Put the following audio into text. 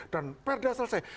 dan perda selesai